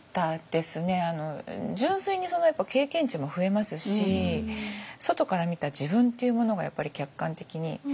純粋に経験値も増えますし外から見た自分っていうものがやっぱり客観的に。